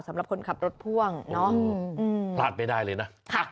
สำหรับคนขับรถพ่วงเนาะ